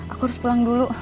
aku harus pulang dulu